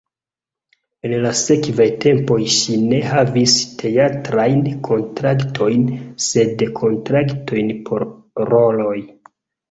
En la sekvaj tempoj ŝi ne havis teatrajn kontraktojn, sed kontraktojn por roloj.